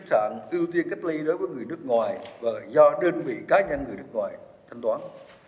để không dễ dàng ưu tiên cách ly đối với người nước ngoài và do đơn vị cá nhân người nước ngoài thanh toán